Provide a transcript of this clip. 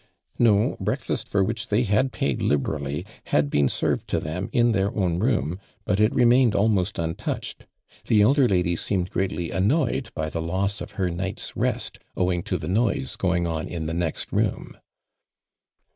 "No; breakfast, for which they had paid liberally, had been served to them in their own room, but it remained almost untouch od. The elder lady seemed greatly annoy ed by the loss of her night's rest owing to the noise going on in the next room."